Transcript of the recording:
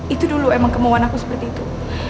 itu dulu emang kemauan aku seperti itu